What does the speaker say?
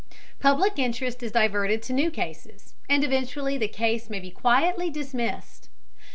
Public interest is diverted to new cases, and eventually the case may be quietly dismissed.